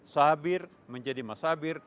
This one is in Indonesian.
sabir menjadi masabir